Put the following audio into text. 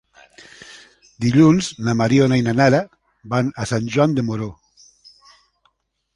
Dilluns na Mariona i na Nara van a Sant Joan de Moró.